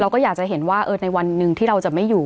ก็อยากจะเห็นว่าในวันหนึ่งที่เราจะไม่อยู่